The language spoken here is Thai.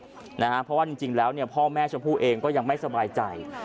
เพราะว่าจริงแล้วพ่อแม่ชมพู่เองก็ยังไม่สบายใจ